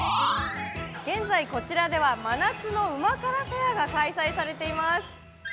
現在、こちらでは真夏の旨辛フェアが開催されています。